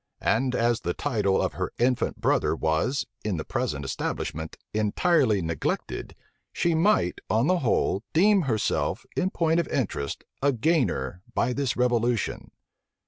And as the title of her infant brother was, in the present establishment, entirely neglected, she might, on the whole, deem herself, in point of interest, a gainer by this revolution.